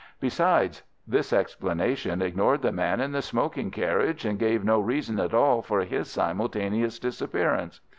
Besides, this explanation ignored the man in the smoking carriage, and gave no reason at all for his simultaneous disappearance.